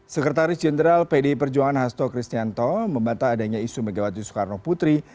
sekretaris jenderal pdi perjuangan hasto kristianto membata adanya isu megawati soekarno putri